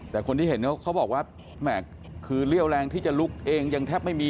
แต่คนที่เห็นเขาบอกว่าแหม่คือเรี่ยวแรงที่จะลุกเองยังแทบไม่มี